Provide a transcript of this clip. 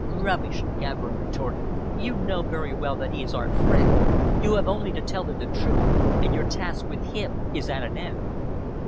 "Rubbish!" Catherine retorted. "You know very well that he is our friend. You have only to tell him the truth, and your task with him is at an end."